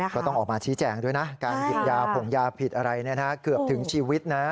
ก็ต้องออกมาชี้แจงด้วยนะการหยิบยาผงยาผิดอะไรเกือบถึงชีวิตนะ